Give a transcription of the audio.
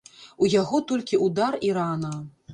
У яго толькі ўдар і рана.